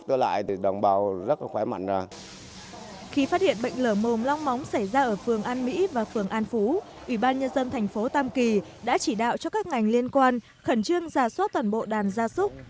ủy ban nhân dân thành phố tam kỳ đã chỉ đạo cho các ngành liên quan khẩn trương giả soát toàn bộ đàn gia súc